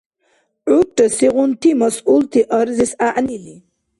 ГӀурра сегъунти масъулти арзес гӀягӀнили?